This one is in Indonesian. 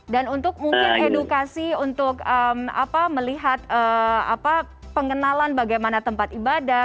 dan untuk mungkin edukasi untuk melihat pengenalan bagaimana tempat ibadah